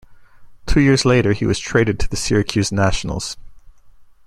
Two years later he was traded to the Syracuse Nationals.